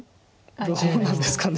どうなんですかね。